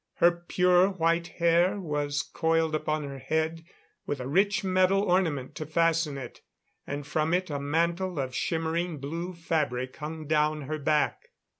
Her pure white hair was coiled upon her head, with a rich metal ornament to fasten it. And from it, a mantle of shimmering blue fabric hung down her back.